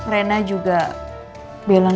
rena juga bilang